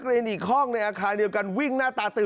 อีกคร่องในอาคารเดียวกันวิ่งหน้าตาตึก